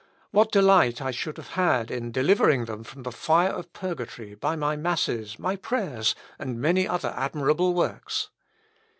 What delight I should have had in delivering them from the fire of purgatory, by my masses, my prayers, and many other admirable works."